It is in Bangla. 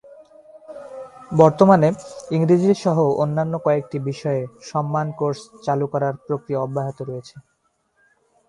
বর্তমানে ইংরেজি সহ অন্যান্য কয়েকটি বিষয়ে সম্মান কোর্স চালু করার প্রক্রিয়া অব্যাহত রয়েছে।